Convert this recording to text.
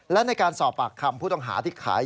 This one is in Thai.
และในการสอบปากคำผู้ต้องหาที่ขาย